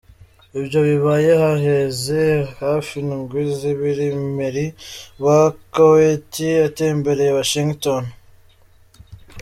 Ivyo bibaye haheze hafi indwi zibiri Emir wa Koweit atembereye Washington.